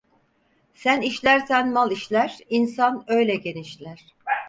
Sen işlersen mal işler, insan öyle genişler.